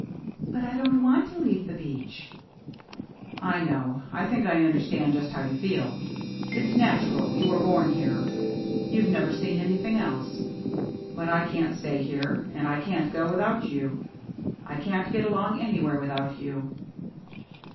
" But I don't want to leave the beach." " I know — I think I understand just how you feel. It's natural — you were born here — you've never seen anything else. But I can't stay here, and I can't go without you. I can't get along anywhere without you."